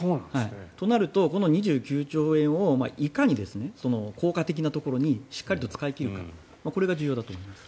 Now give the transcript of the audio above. となると、この２９兆円をいかに効果的なところにしっかりと使い切るかこれが重要だと思います。